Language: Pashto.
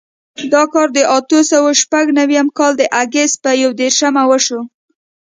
دا کار د اتو سوو شپږ نوېم کال د اګست په یودېرشم وشو.